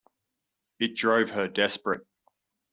It drove her desperate.